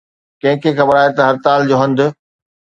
ڪنهن کي خبر آهي ته هڙتال جو هنڌ